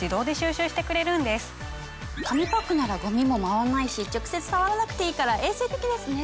紙パックならゴミも舞わないし直接触らなくていいから衛生的ですね。